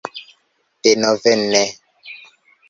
Denove ne!